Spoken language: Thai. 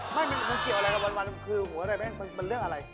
มันเกี่ยวอะไรกับข้อผู้ไม่เคยเห็น